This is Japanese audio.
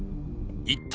一体